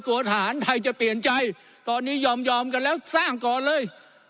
ฐานไทยจะเปลี่ยนใจตอนนี้ยอมยอมกันแล้วสร้างก่อนเลย